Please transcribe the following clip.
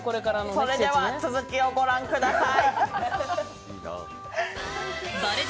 それでは続きを御覧ください。